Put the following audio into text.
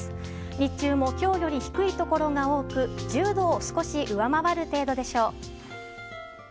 日中も今日より低いところが多く１０度を少し上回る程度でしょう。